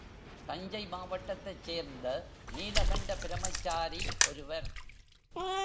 தஞ்சை மாவட்டத்தைச் சேர்ந்த நீலகண்ட பிரம்மச்சாரி ஒருவர்.